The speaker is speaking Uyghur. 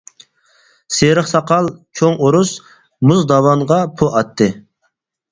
سېرىق ساقال چوڭ ئورۇس، مۇز داۋانغا پو ئاتتى.